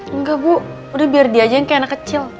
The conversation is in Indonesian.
enggak bu udah biar dia aja yang kayak anak kecil